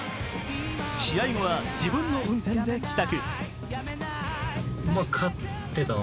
試合後は自分の運転で帰宅。